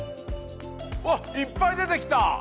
うわっいっぱい出てきた！